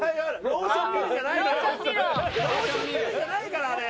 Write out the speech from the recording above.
ローションミルじゃないからあれ！